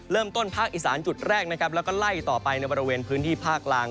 เริ่มต้นภาคอิสานจุดแรกแล้วก็ไล่ต่อไปในบริเวณพื้นที่ภาคล่าง